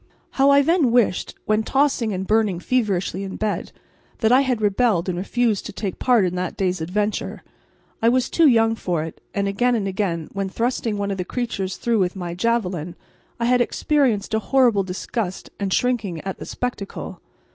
How I then wished, when tossing and burning feverishly in bed, that I had rebelled and refused to take part in that day's adventure! I was too young for it, and again and again, when thrusting one of the creatures through with my javeline, I had experienced a horrible disgust and shrinking at the spectacle.